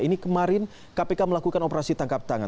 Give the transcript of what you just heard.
ini kemarin kpk melakukan operasi tangkap tangan